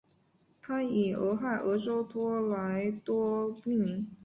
它以俄亥俄州托莱多命名。